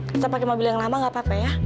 kita pakai mobil yang lama gak apa apa ya